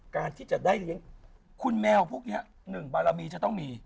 การที่จะได้เลี้ยงคุณแมวพวกนี้หนึ่งบารมีจะต้องมี